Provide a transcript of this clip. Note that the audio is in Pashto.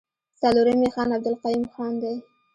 څلورم يې خان عبدالقيوم خان دی.